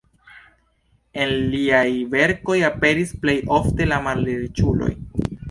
En liaj verkoj aperis plej ofte la malriĉuloj.